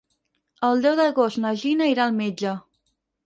El deu d'agost na Gina irà al metge.